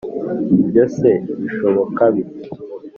Ibyo se bishoboka bite?